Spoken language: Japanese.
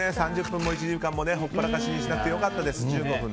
３０分も１時間も放ったらかしにしなくて良かったです。